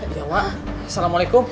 iya wak assalamualaikum